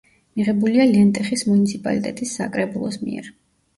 მიღებულია ლენტეხის მუნიციპალიტეტის საკრებულოს მიერ.